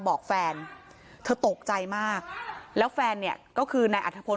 บอกแฟนเธอตกใจมากแล้วแฟนเนี่ยก็คือนายอัธพล